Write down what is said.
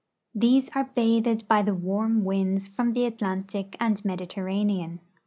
These are bathed by the Avarm Avinds from the Atlantic and ^Mediterranean.